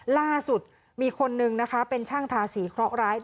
ล่าสุดมีคนนึงนะคะเป็นช่างทาสีเคราะห์ร้าย